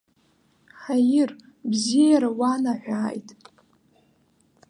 Хаир, бзиара уанаҳәааит!